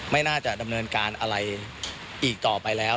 ไม่น่าจะดำเนินการอะไรอีกต่อไปแล้ว